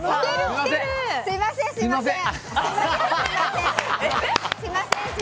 すみません、すみません。